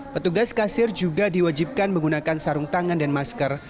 petugas kasir juga diwajibkan menggunakan sarung tangan dan masker